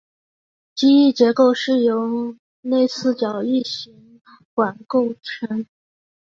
机翼结构是由内四角异型管组成。